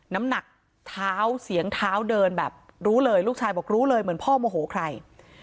น้ำหนักเท้าเสียงเท้าเดินแบบรู้เลยลูกชายบอกรู้เลยเหมือนพ่อโมโหใคร